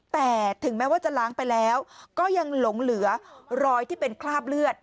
แต่ถึงแม้ว่าจะล้างไปแล้วก็ยังหลงเหลือรอยที่เป็นคราบเลือด